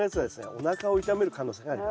おなかを痛める可能性があります。